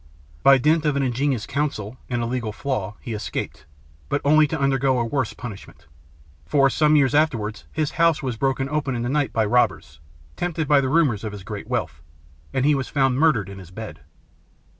By dint of an ingenious counsel, and a legal flaw, he escaped; but only to undergo a worse punishment; for, some years afterwards, his house was broken open in the night by robbers, tempted by the rumours of his great wealth, and he was found murdered in his bed.